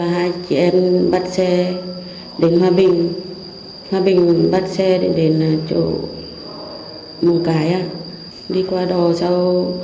hai chị em bắt xe đến hoa bình hoa bình bắt xe đến chỗ mùng cải đi qua đò sau